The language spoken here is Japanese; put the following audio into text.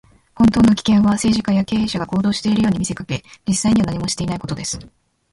本当の危険は、政治家や経営者が行動しているように見せかけ、実際には何もしていないことです。